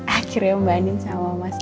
akhirnya mbak andin sama mas